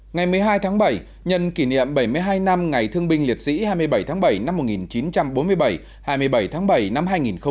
ngày một mươi hai tháng bảy nhân kỷ niệm bảy mươi hai năm ngày thương binh liệt sĩ hai mươi bảy tháng bảy năm một nghìn chín trăm bốn mươi bảy hai mươi bảy tháng bảy năm hai nghìn một mươi chín